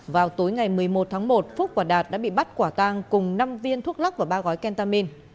vào tối ngày một mươi một tháng một phúc quả đạt đã bị bắt quả tang cùng năm viên thuốc lắc và ba gói kentamin